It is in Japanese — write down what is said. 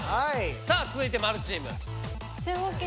さあ続いて○チーム。